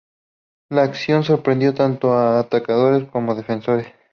La acción sorprendió tanto a atacantes como a defensores.